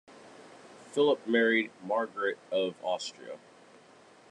Philip married Margaret of Austria.